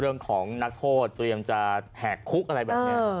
เรื่องของนักโทษเตรียมจะแหกคุกอะไรแบบนี้